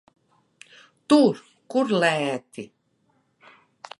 Tur, kur lēti.